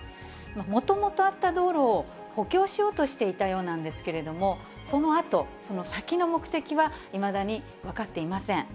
もともとあった道路を補強しようとしていたようなんですけれども、そのあと、その先の目的は、いまだに分かっていません。